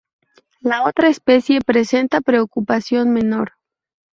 Las otra especie presenta preocupación menor.